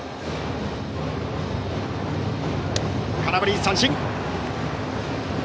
空振り三振。